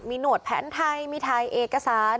มีหนวดแผนไทยมีถ่ายเอกสาร